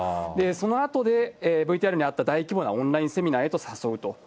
そのあとでＶＴＲにあった大規模なオンラインセミナーへと誘うと。